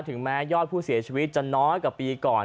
แม้ยอดผู้เสียชีวิตจะน้อยกว่าปีก่อน